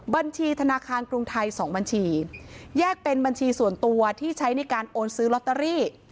บัญชีธนาคารกรุงไทย๒บัญชีแยกเป็นบัญชีส่วนตัวที่ใช้ในการโอนซื้อลอตเตอรี่